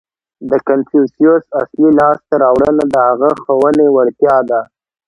• د کنفوسیوس اصلي لاسته راوړنه د هغه د ښوونې وړتیا وه.